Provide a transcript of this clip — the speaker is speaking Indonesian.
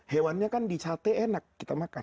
hewannya kan dicate enak kita makan